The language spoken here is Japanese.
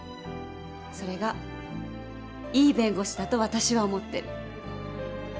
それがいい弁護士だと私は思ってる。